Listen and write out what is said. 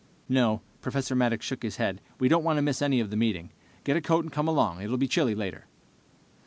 "No." Professor Maddox shook his head. "We don't want to miss any of the meeting. Get a coat and come along. It will be chilly later."